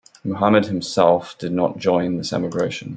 Muhammad himself did not join this emigration.